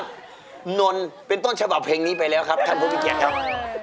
คุณนนเป็นต้นฉบับเพลงนี้ไปแล้วครับท่านผู้พิเกียจครับ